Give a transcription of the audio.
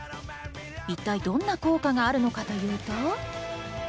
一体どんな効果があるのかというと。